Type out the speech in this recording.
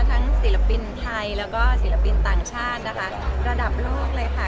ศิลปินไทยแล้วก็ศิลปินต่างชาตินะคะระดับโลกเลยค่ะ